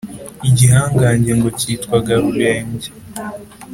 igihangange ngo cyitwaga rurenge.